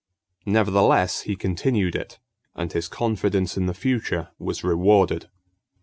Nevertheless he continued it; and his confidence in the future was rewarded.